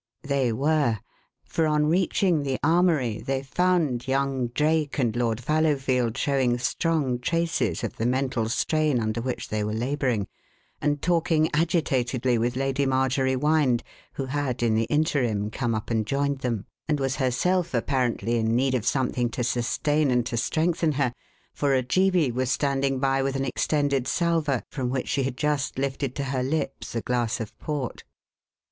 They were; for on reaching the armoury they found young Drake and Lord Fallowfield showing strong traces of the mental strain under which they were labouring and talking agitatedly with Lady Marjorie Wynde, who had, in the interim, come up and joined them, and was herself apparently in need of something to sustain and to strengthen her; for Ojeebi was standing by with an extended salver, from which she had just lifted to her lips a glass of port.